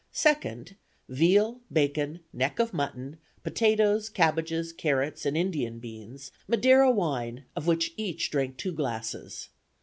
2nd, veal, bacon, neck of mutton, potatoes, cabbages, carrots and Indian beans, Madeira wine, of which each drank two glasses.